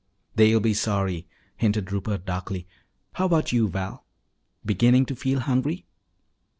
"They'll be sorry," hinted Rupert darkly. "How about you, Val, beginning to feel hungry?"